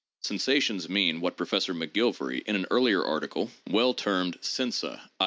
"Sensations" mean what Professor McGilvary in an earlier article 4 well termed sensa, i. e.